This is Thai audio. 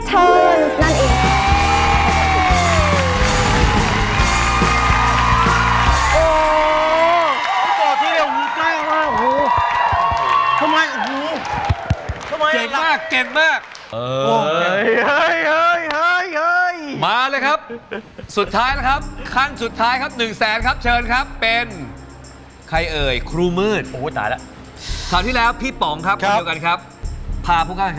คุณปามไม่เหลือดาวแต่คุณปามเหลือดาวอีกดวงหนึ่ง